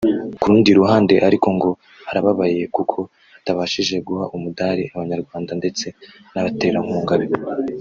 Ku rundi ruhande ariko ngo arababaye kuko atabashije guha umudari Abanyarwanda ndetse n’abaterankunga be